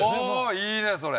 いいねそれ。